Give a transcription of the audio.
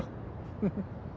フフ。